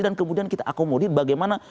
dan kemudian kita akomodir bagaimana